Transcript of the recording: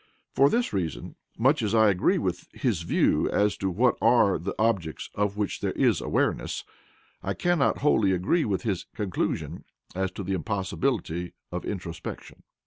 For this reason, much as I agree with his view as to what are the objects of which there is awareness, I cannot wholly agree with his conclusion as to the impossibility of introspection.